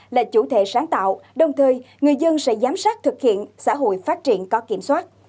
là chủ thể sáng tạo đồng thời người dân sẽ giám sát thực hiện xã hội phát triển có kiểm soát